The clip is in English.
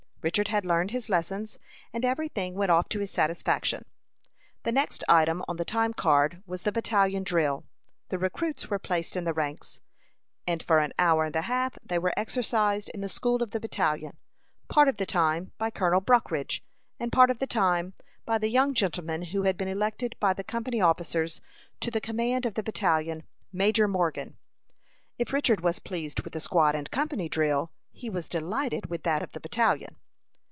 Richard had learned his lessons, and every thing went off to his satisfaction. The next item on the time card was the battalion drill. The recruits were placed in the ranks, and for an hour and a half they were exercised in the school of the battalion; part of the time by Colonel Brockridge, and part of the time by the young gentleman who had been elected by the company officers to the command of the battalion Major Morgan. If Richard was pleased with the squad and company drill, he was delighted with that of the battalion.